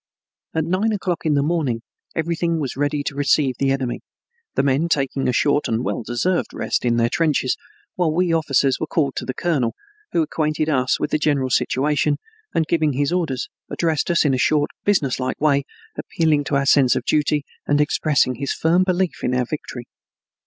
At nine o'clock in the morning everything was ready to receive the enemy, the men taking a short and well deserved rest in their trenches, while we officers were called to the colonel, who acquainted us with the general situation, and, giving his orders, addressed us in a short, business like way, appealing to our sense of duty and expressing his firm belief in our victory.